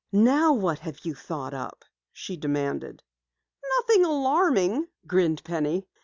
"Now what have you thought up?" she demanded. "Nothing alarming," grinned Penny.